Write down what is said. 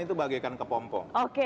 itu bagaikan kepompong